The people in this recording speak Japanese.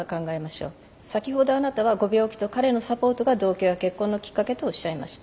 先ほどあなたはご病気と彼のサポートが同居や結婚のきっかけとおっしゃいました。